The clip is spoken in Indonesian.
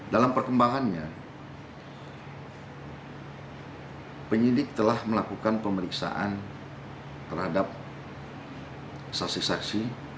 dalam perkembangannya penyidik telah melakukan pemeriksaan terhadap saksi saksi